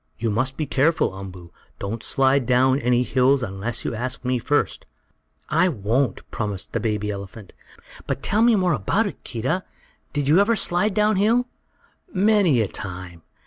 You must be careful, Umboo. Don't slide down any hills unless you ask me first." "I won't," promised the baby elephant. "But tell me more about it, Keedah. Did you ever slide down hill?" "Many a time.